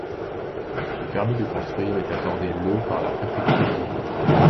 Le permis de construire est accordé le par la préfecture du Doubs.